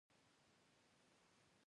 تولید د کوچنیو تولیدونکو لخوا ترسره کیده.